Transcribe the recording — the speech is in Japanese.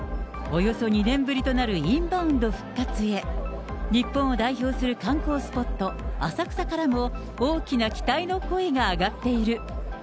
およそ２年ぶりとなるインバウンド復活へ、日本を代表する観光スポット、浅草からも、大きな期待の声が上がっている。